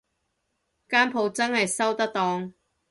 間舖真係收得檔